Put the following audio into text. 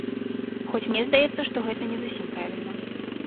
Хоць мне здаецца, што гэта не зусім правільна.